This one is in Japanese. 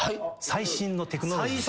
最新のテクノロジー？